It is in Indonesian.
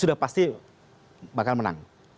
sudah pasti bakal menang